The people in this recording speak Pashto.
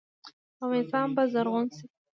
افغانستان به زرغون شي.